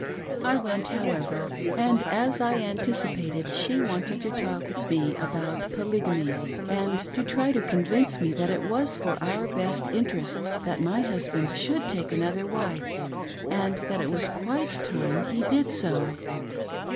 I went, how ever, and, as I anticipated, she wanted to talk with me about Polygamy, and to try to convince me that it was for our best interests that my husband should take another wife, and that it was quite time he did so.